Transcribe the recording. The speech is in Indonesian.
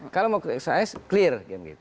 kalau mau pilih pks clear